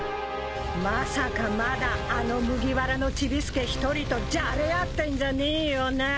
まさかまだあの麦わらのチビ助ひとりとじゃれ合ってんじゃねえよなぁ